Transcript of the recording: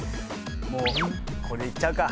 もうここでいっちゃうか。